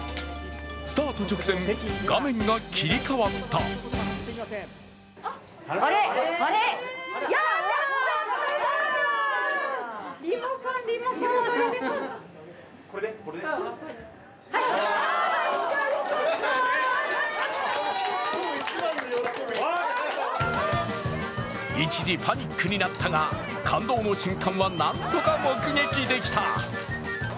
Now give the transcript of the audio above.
スタート直前、画面が切り替わった一時、パニックになったが、感動の瞬間はなんとか目撃できた。